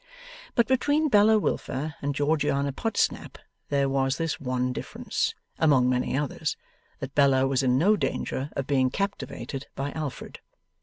But between Bella Wilfer and Georgiana Podsnap there was this one difference, among many others, that Bella was in no danger of being captivated by Alfred.